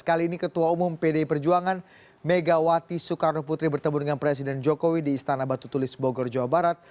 kali ini ketua umum pdi perjuangan megawati soekarno putri bertemu dengan presiden jokowi di istana batu tulis bogor jawa barat